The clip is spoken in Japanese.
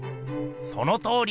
そのとおり！